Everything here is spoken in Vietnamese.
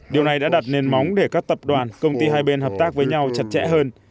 điều này đã đặt nền móng để các tập đoàn công ty hai bên hợp tác với nhau chặt chẽ hơn